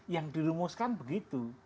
yang dirumuskan begitu